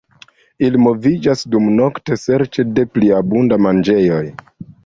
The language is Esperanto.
Ili moviĝas dumnokte serĉe de pli abunda manĝejoj.